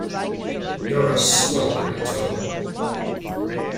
You're a sweltering toad!